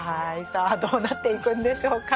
さあどうなっていくんでしょうか。